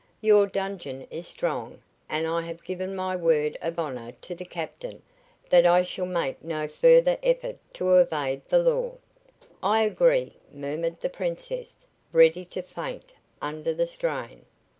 Your dungeon is strong and I have given my word of honor to the captain that I shall make no further effort to evade the law." "I agree," murmured the Princess, ready to faint under the strain.